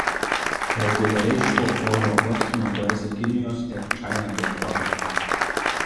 Reguliariai šiuo oro uostu naudojasi Kinijos "Air China" bendrovė.